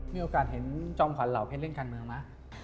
มีโอกาสเห็นช่องความเหล่าให้เล่นกันเหรอมะ